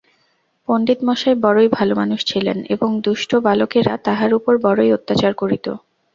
পণ্ডিতমশাই বড়োই ভালোমানুষ ছিলেন এবং দুষ্ট বালকেরা তাঁহার উপর বড়োই অত্যাচার করিত।